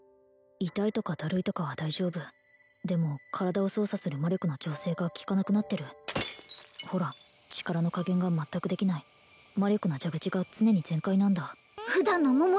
痛いとかだるいとかは大丈夫でも体を操作する魔力の調整が利かなくなってるほら力の加減が全くできない魔力の蛇口が常に全開なんだ